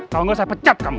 kalau nggak saya pecat kamu